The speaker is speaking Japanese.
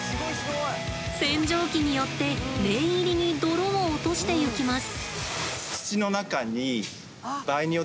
洗浄機によって念入りに泥を落としていきます。